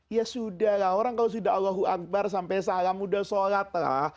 ya sudah lah orang kalau sudah allahu akbar sampai salam sudah sholat lah